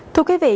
thưa quý vị